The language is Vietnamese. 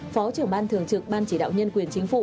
phó trưởng ban thường trực ban chỉ đạo nhân quyền chính phủ